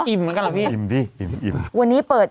อิ่มเหมือนกันแหละนี่อิ่มดิอิ่มอิ่มวันนี้เปิด